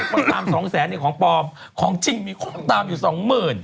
คนตามสองแสนเนี่ยของปลอมของจริงมีคนตามอยู่สองหมื่น